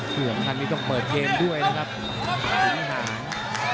ส่วนทางนี้ต้องเปิดเกมด้วยนะครับปุ่มห่าง